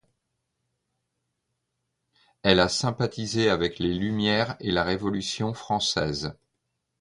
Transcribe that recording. Elle a sympathisé avec les Lumières et la Révolution française.